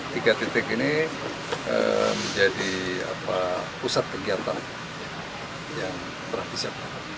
tiga titik ini menjadi pusat kegiatan yang telah disiapkan